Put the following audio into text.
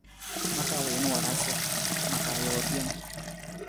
Ma ka wiin warasa, ma ka joo rijang.